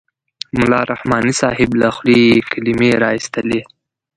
ملا رحماني صاحب له خولې یې کلمې را اېستلې.